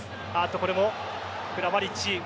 これもクラマリッチ。